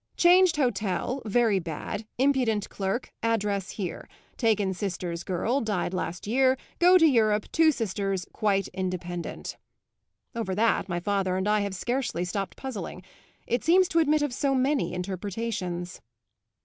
'Changed hotel, very bad, impudent clerk, address here. Taken sister's girl, died last year, go to Europe, two sisters, quite independent.' Over that my father and I have scarcely stopped puzzling; it seems to admit of so many interpretations."